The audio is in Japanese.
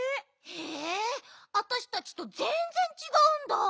へえわたしたちとぜんぜんちがうんだ。